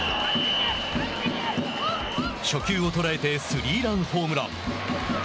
初球を捉えてスリーランホームラン。